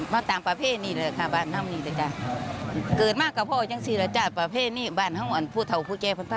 บรรพบุรุษเคยทำมาเป็นนึง